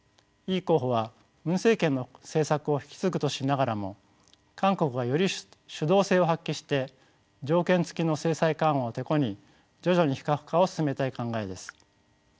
イ候補はムン政権の政策を引き継ぐとしながらも韓国がより主導性を発揮して条件付きの制裁緩和をテコに徐々に非核化を進めたい考えです。